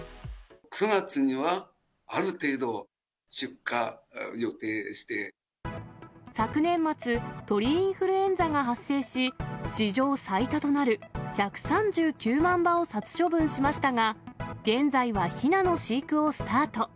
９月にはある程度、昨年末、鳥インフルエンザが発生し、史上最多となる１３９万羽を殺処分しましたが、現在はひなの飼育をスタート。